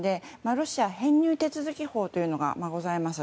ロシア編入手続き法というものがあります。